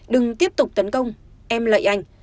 đừng tiếp tục tấn công em lợi anh